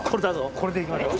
これでいきましょう。